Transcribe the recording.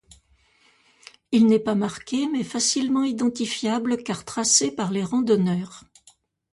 Il n'est pas marqué mais facilement identifiable car tracé par les randonneurs.